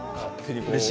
うれしい！